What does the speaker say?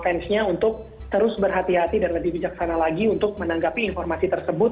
fansnya untuk terus berhati hati dan lebih bijaksana lagi untuk menanggapi informasi tersebut